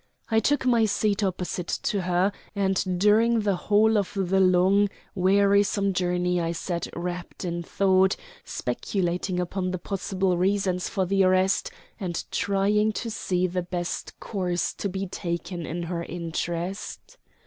I took my seat opposite to her, and during the whole of the long, wearisome journey I sat rapt in thought, speculating upon the possible reasons for the arrest and trying to see the best course to be taken in her interest.